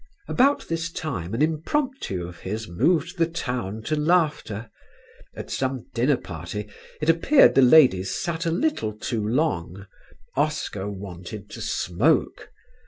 About this time an impromptu of his moved the town to laughter. At some dinner party it appeared the ladies sat a little too long; Oscar wanted to smoke.